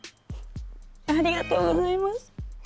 ありがとうございます。